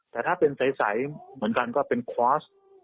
แต่ถ้าเป็นใสเหมือนกันก็เป็นคอร์ส